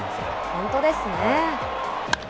本当ですね。